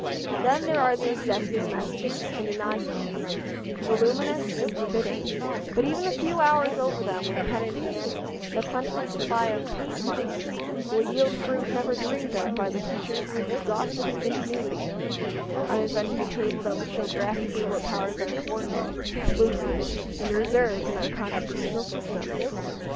Then there are the executive messages and inaugurals voluminous and forbidding, but even a few hours over them with pen in hand and a plentiful supply of page markers will yield fruit never dreamed of by the teacher who has exhausted his ingenuity on inventing a table that will show graphically what powers are coordinate, exclusive, and reserved in our constitutional system!